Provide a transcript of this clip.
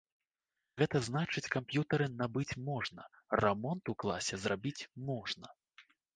Гэта значыць камп'ютары набыць можна, рамонт у класе зрабіць можна.